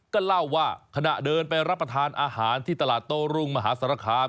ก็เล่าว่าขณะเดินไปรับประทานอาหารที่ตลาดโต้รุงมหาสารคาม